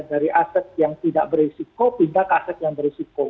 dari aset yang tidak berisiko pindah ke aset yang berisiko